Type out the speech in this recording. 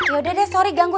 yaudah deh sorry ganggu